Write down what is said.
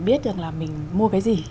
biết được là mình mua cái gì